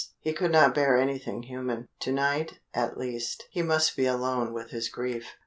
He could not bear anything human. To night, at least, he must be alone with his grief.